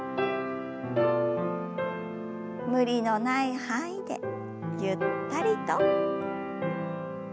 無理のない範囲でゆったりと。